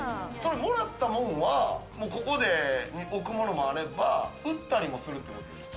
もらったもんは、ここで置くものもあれば売ったりもするってことですか？